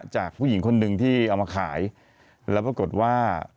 ผู้หญิงคนหนึ่งที่เอามาขายแล้วปรากฏว่า